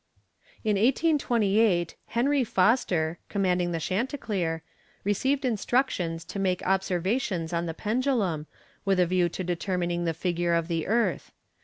In 1828 Henry Foster, commanding the Chanticleer, received instructions to make observations on the pendulum, with a view to determining the figure of the earth.